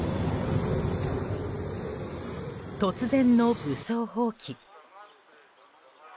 突然の武装蜂起。